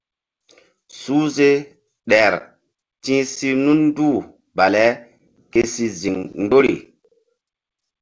Suhze ɗer ti̧h si nunduh bale ke si ziŋ mgbori.